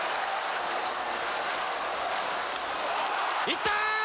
いった！